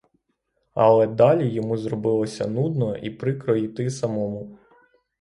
Але далі йому зробилося нудно і прикро йти самому.